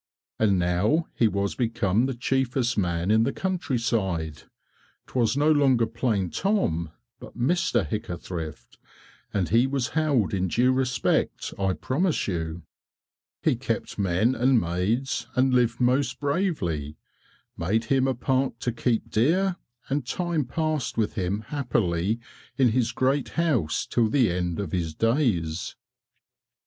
And now he was become the chiefest man in the country side; 't was no longer plain Tom, but Mr. Hickathrift, and he was held in due respect I promise you. He kept men and maids and lived most bravely; made him a park to keep deer, and time passed with him happily in his great house till the end of his days.